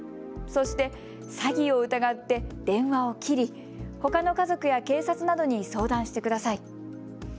そして詐欺を疑って電話を切りほかの家族や警察などに相談してください。